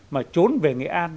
mà trốn về nghệ an